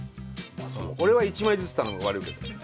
俺は１枚ずつ頼む悪いけど。